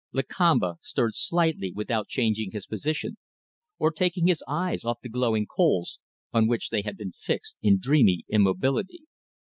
Lakamba stirred slightly without changing his position or taking his eyes off the glowing coals, on which they had been fixed in dreamy immobility.